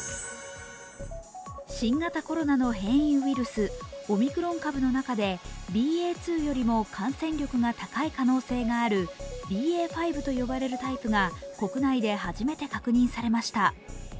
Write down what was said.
新型コロナの変異ウイルス、オミクロン株の中でＢＡ．２よりも感染力が高い可能性があるＢＡ．５と呼ばれるタイプが国内で初めて確認されました。